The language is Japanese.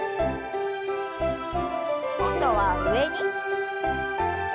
今度は上に。